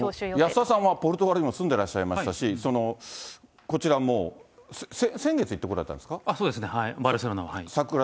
安田さんはポルトガルにも住んでらっしゃいましたし、こちらも、そうですね、バルセロナは。